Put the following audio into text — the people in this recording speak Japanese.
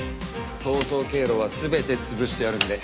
逃走経路は全て潰してあるので。